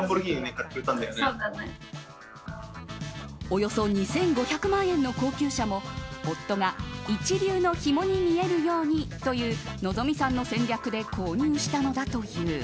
およそ２５００万円の高級車も夫が一流のヒモに見えるようにという希さんの戦略で購入したのだという。